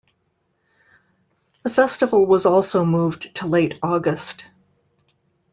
The festival was also moved to late August.